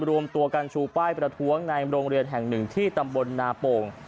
รวมตัวกันชูป้ายประท้วงในโรงเรียนแห่งหนึ่งที่ตำบลนาโป่ง